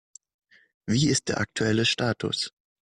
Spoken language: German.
Wie ist der aktuelle Status?